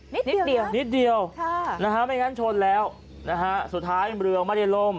นิดนิดเดียวนิดเดียวไม่งั้นชนแล้วนะฮะสุดท้ายเรือไม่ได้ล่ม